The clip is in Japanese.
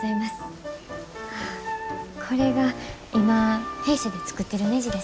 これが今弊社で作ってるねじです。